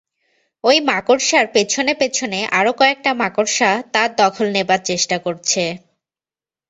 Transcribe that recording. ঐ মাকড়সার পেছনে-পেছনে আরো কয়েকটা মাকড়সা তাঁর দখল নেবার চেষ্টা করছে।